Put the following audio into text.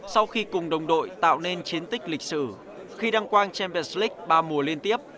sau khi cùng đồng đội tạo nên triển tích lịch sử khi đăng quang champions league ba mùa liên tiếp